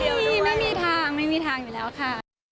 ไม่มีไม่มีทางไม่มีทางอยู่แล้วค่ะ